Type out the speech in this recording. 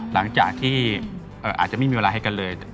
หลังจากที่อาจจะไม่มีเวลาให้กันเลย